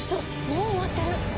もう終わってる！